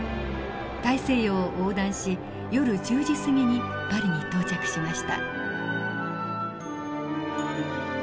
大西洋を横断し夜１０時過ぎにパリに到着しました。